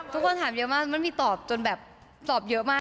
ทุกคนถามเยอะมากมันมีตอบจนแบบตอบเยอะมาก